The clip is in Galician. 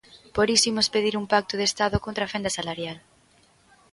Por iso imos pedir un pacto de estado contra a fenda salarial.